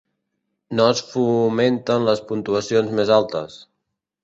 No es fomenten les puntuacions més altes.